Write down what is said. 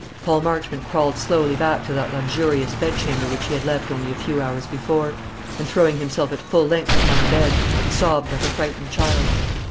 Paul Marchmont crawled slowly back to that luxurious bedchamber which he had left only a few hours before, and, throwing himself at full length upon the bed, sobbed like a frightened child.